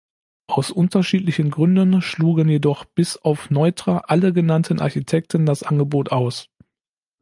Aus unterschiedlichen Gründen schlugen jedoch bis auf Neutra alle genannten Architekten das Angebot aus.